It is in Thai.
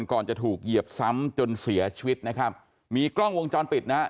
ก่อนจะถูกเหยียบซ้ำจนเสียชีวิตนะครับมีกล้องวงจรปิดนะฮะ